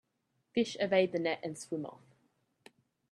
Fish evade the net and swim off.